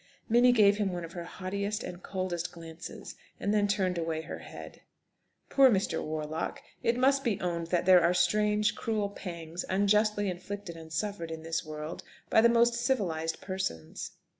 Minnie gave him one of her haughtiest and coldest glances, and then turned away her head. Poor Mr. Warlock! It must be owned that there are strange, cruel pangs unjustly inflicted and suffered in this world by the most civilised persons.